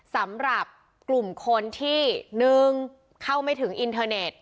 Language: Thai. สำหรับกลุ่มคนที่๑เข้าไม่ถึงอินเทอร์เน็ต